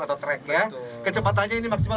atau track ya kecepatannya ini maksimal